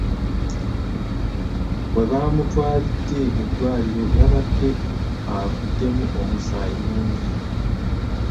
We baamutwalidde mu ddwaliro yabadde avuddemu omusaayi mungi.